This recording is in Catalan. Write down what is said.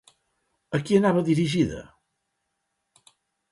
A qui anava dirigida?